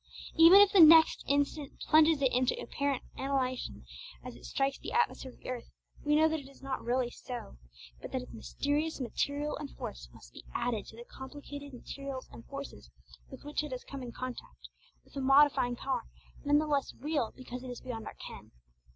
Even if the next instant plunges it into apparent annihilation as it strikes the atmosphere of the earth, we know that it is not really so, but that its mysterious material and force must be added to the complicated materials and forces with which it has come in contact, with a modifying power none the less real because it is beyond our ken.